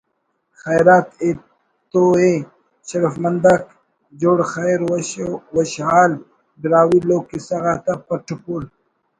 خیرات ایتوءِ“ شرفمندآک جوڑ خیر وش وشحال ”براہوئی لوک کسہ غاتا پٹ پول